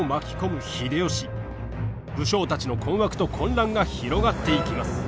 武将たちの困惑と混乱が広がっていきます。